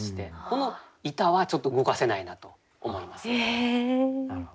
この「ゐた」はちょっと動かせないなと思いますね。